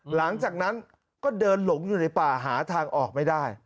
หลังจากนั้นก็เดินหลงอยู่ในป่าหาทางออกไม่ได้